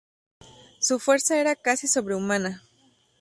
Su fuerza era casi sobrehumana.